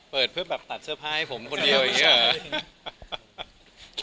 เปิดเพื่อแบบตัดเสื้อผ้าให้ผมคนเดียวอย่างนี้เหรอ